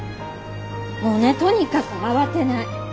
もうねとにかく慌てない。